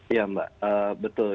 ya mbak betul